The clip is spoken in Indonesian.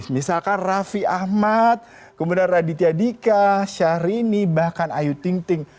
misalkan raffi ahmad kemudian raditya dika syahrini bahkan ayu ting ting